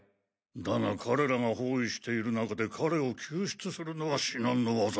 だが組織が包囲している中で彼を救出するのは至難の業。